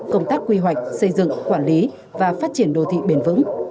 công tác quy hoạch xây dựng quản lý và phát triển đô thị bền vững